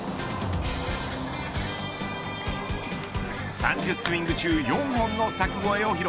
３０スイング中４本の柵越えを披露。